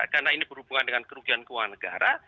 karena ini berhubungan dengan kerugian keuangan negara